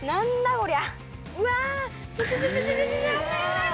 こりゃ！